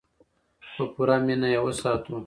په پوره مینه یې وساتو.